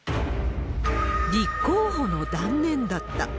立候補の断念だった。